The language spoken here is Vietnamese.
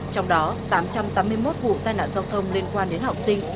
trong đó tám trăm tám mươi một vụ tai nạn giao thông liên quan đến học sinh